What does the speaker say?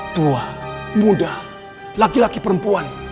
tua muda laki laki perempuan